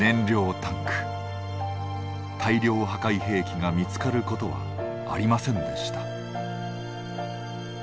大量破壊兵器が見つかることはありませんでした。